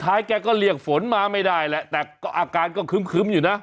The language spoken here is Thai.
แกก็เรียกฝนมาไม่ได้แหละแต่ก็อาการก็คึ้มอยู่นะ